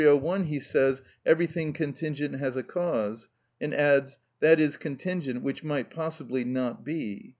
301 he says: "Everything contingent has a cause," and adds, "That is contingent which might possibly not be."